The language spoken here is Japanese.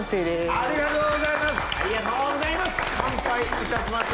ありがとうございます！